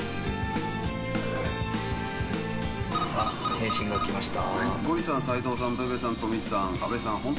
返信が来ました。